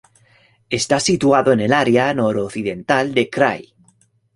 Está situado en el área noroccidental del krai.